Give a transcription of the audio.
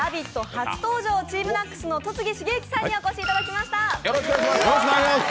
初登場、ＴＥＡＭＮＡＣＳの戸次重幸さんにお越しいただきました。